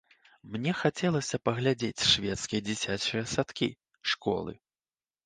Мне хацелася паглядзець шведскія дзіцячыя садкі, школы.